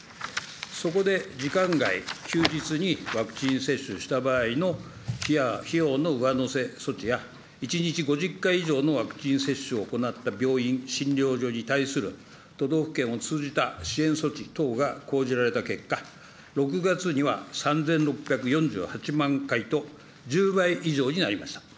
そこで時間外、休日にワクチン接種した場合の費用の上乗せ措置や１日５０回以上のワクチン接種を行った病院、診療所に対する都道府県を通じた支援措置等が講じられた結果、６月には３６４８万回と、１０倍以上になりました。